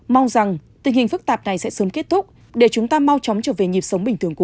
mong rằng tình hình phức tạp này sẽ sớm kết thúc để chúng ta mau chóng trở về nhịp sống bình thường của